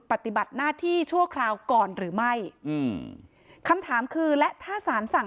ปฏิบัติหน้าที่ชั่วคราวก่อนหรือไม่อืมคำถามคือและถ้าสารสั่ง